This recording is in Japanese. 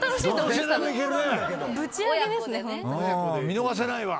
見逃せないわ。